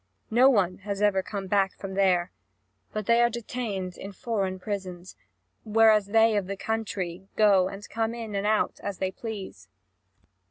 No one has ever come back from there, but they are detained in foreign prisons; whereas they of the country go and come in and out as they please."